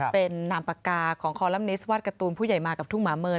เป็นนามปากกาของคอลัมนิสวาดการ์ตูนผู้ใหญ่มากับทุ่งหมาเมิน